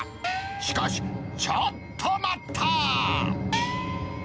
しかし、ちょっと待った！